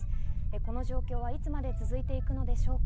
この状況はいつまで続いていくのでしょうか。